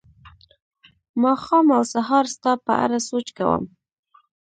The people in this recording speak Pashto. ماښام او سهار ستا په اړه سوچ کوم